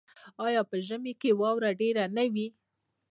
آیا په ژمي کې واوره ډیره نه وي؟